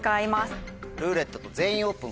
「ルーレット」と「全員オープン」